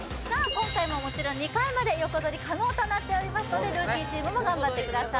今回ももちろん２回まで横取り可能となっておりますのでルーキーチームも頑張ってください